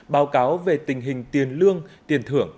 báo cáo về tình hình tiền lương tiền thưởng